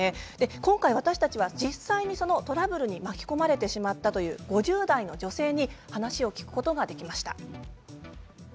今回、私たちは実際にトラブルに巻き込まれてしまったという５０代の女性に話を聞くことができました。